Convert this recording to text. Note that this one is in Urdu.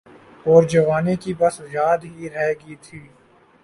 اورجوانی کی بس یاد ہی رہ گئی تھی۔